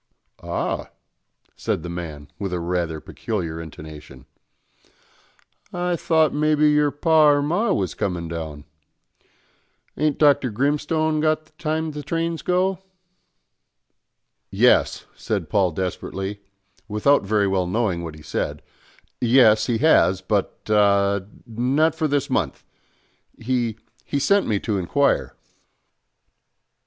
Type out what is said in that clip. "Ah," said the man, with a rather peculiar intonation, "I thought maybe your par or mar was comin' down. Ain't Dr. Grimstone got the times the trains go?" "Yes," said Paul desperately, without very well knowing what he said, "yes, he has, but ah, not for this month; he he sent me to inquire."